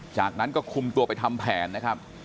จากนั้นก็คุมตัวไปทำแผนนะครับ